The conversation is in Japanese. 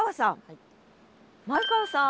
前川さん。